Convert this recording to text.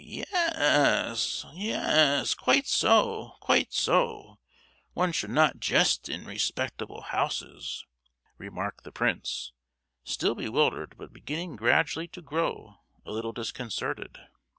"Ye—yes—quite so, quite so; one should not jest in respectable houses," remarked the prince, still bewildered, but beginning gradually to grow a little disconcerted.